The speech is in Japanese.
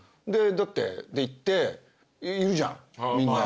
で行っているじゃんみんな。